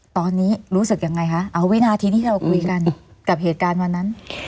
ตอนนี้รู้สึกยังไงคะเอาวินาทีที่เราคุยกันกับเหตุการณ์วันนั้น